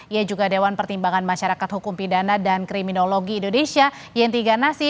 ia juga dewan pertimbangan masyarakat hukum pidana dan kriminologi indonesia yenti ganasi